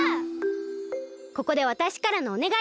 ここでわたしからのおねがい。